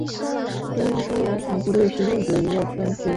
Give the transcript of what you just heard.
中央工业安全部队是印度一个分支。